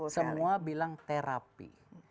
semua bilang terapi